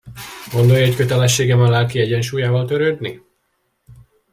Gondolja, hogy kötelességem a lelki egyensúlyával törődni?